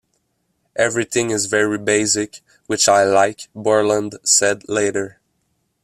Everything is very basic, which I like, Borland said later.